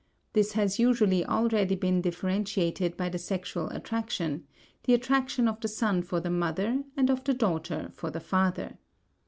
This has usually already been differentiated by the sexual attraction, the attraction of the son for the mother and of the daughter for the father.